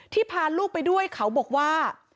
พาลูกไปด้วยเขาบอกว่า